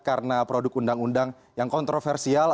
karena produk undang undang yang kontroversial